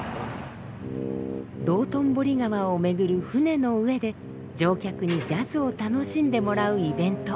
道頓堀川を巡る船の上で乗客にジャズを楽しんでもらうイベント。